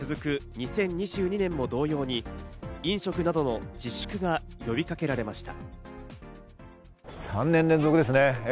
２０２２年も同様に、飲食などの自粛が呼びかけられました。